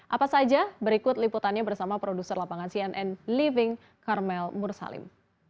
apa saja berikut liputannya bersama produser lapangan cnn living karmel mursalim